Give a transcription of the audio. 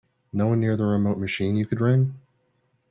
No one near the remote machine you could ring?